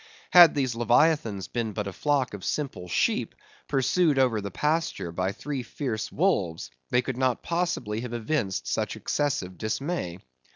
Had these Leviathans been but a flock of simple sheep, pursued over the pasture by three fierce wolves, they could not possibly have evinced such excessive dismay.